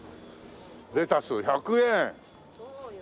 「レタス１００円」そうよ。